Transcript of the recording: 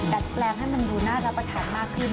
ดัดแปลงให้มันดูน่ารับประทานมากขึ้น